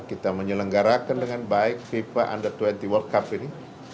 kita menyelenggarakan dengan baik fifa under dua puluh world cup ini